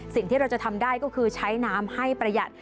สิ่งที่เราจะทำได้ก็คือใช้น้ำให้ประหยัด